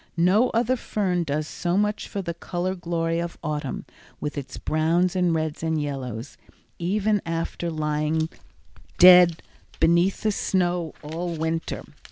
No other fern does so much for the color glory of autumn, with its browns and reds and yellows, even after lying dead beneath the snow all winter.